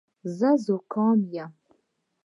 زه زکام یم.